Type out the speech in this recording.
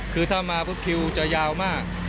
คือถ้ามาคิวจะยาวมาก